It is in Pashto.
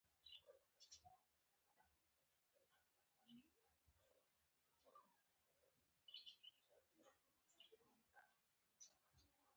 آیا د کاناډا فلمي صنعت وده نه ده کړې؟